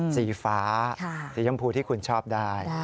สีฟ้าสีชมพูที่คุณชอบได้